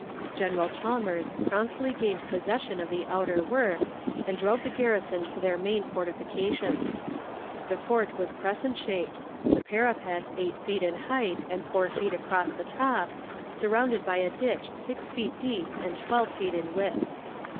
General Chalmers promptly gained possession of the outer works and drove the garrison to their main fortifications. The fort was crescent shaped, the parapet eight feet in height and four feet across the top, surrounded by a ditch six feet deep and twelve feet in width.